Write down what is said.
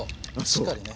しっかりね。